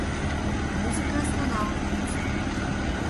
Музыка останавливается.